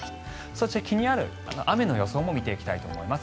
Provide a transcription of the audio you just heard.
そして気になる雨の予想も見ていきたいと思います。